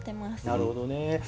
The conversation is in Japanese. なるほどね。